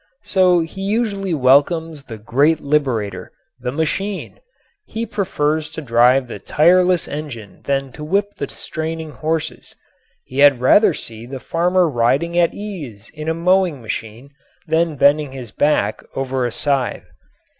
So he usually welcomes that Great Liberator, the Machine. He prefers to drive the tireless engine than to whip the straining horses. He had rather see the farmer riding at ease in a mowing machine than bending his back over a scythe.